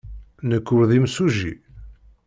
Nekk ur d imsujji.